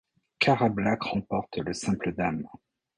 Cara Black remporte le simple dames.